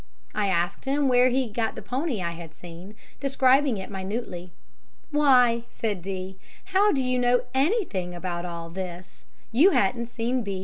I asked him where he got the pony I had seen, describing it minutely. 'Why,' said D., 'how do you know anything about all this? You hadn't seen B.